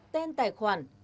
tên tài khoản